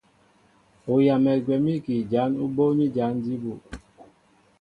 Ú yamɛ gwɛ̌m ígi jǎn ú bóóní jǎn jí bū.